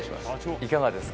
いかがですか？